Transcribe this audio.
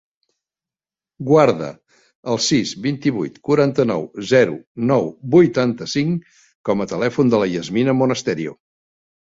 Guarda el sis, vint-i-vuit, quaranta-nou, zero, nou, vuitanta-cinc com a telèfon de la Yasmina Monasterio.